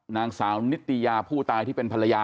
นางสาวนิตยาผู้ตายที่เป็นภรรยา